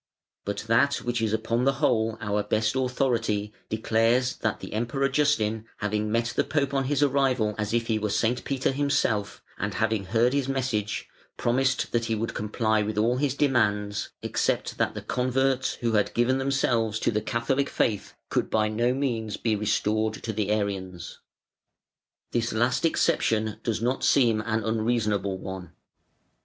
But that which is upon the whole our best authority declares that "the Emperor Justin having met the Pope on his arrival as if he were St. Peter himself, and having heard his message, promised that he would comply with all his demands except that the converts who had given themselves to the Catholic faith could by no means be restored to the Arians". This last exception does not seem an unreasonable one.